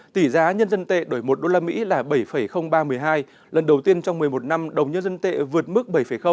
tỷ giá nhân dân tệ đổi một usd là bảy ba mươi hai lần đầu tiên trong một mươi một năm đồng nhân dân tệ vượt mức bảy